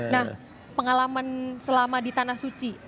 nah pengalaman selama di tanah suci